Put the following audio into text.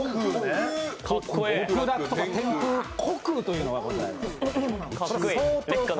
極楽とか天空、虚空というのがございます。